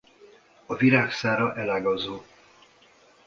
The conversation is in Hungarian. A virág szára elágazó.